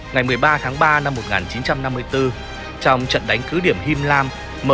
ngày một mươi ba tháng ba năm một nghìn chín trăm năm mươi bốn trong trận đánh cứ điểm him lam